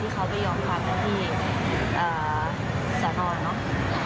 พี่เขาก็พูดว่าถ้าโทรศัพท์เป็นอะไรอะรับผิดชอบผมด้วยนะถ้าว่าโทรศัพท์ตกใช่ไหม